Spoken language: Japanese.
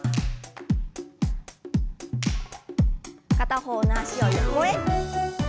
片方の脚を横へ。